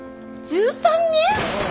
１３人！？